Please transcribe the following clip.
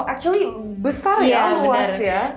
actually besar ya luas ya